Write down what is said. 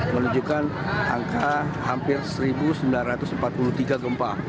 menunjukkan angka hampir satu sembilan ratus empat puluh tiga gempa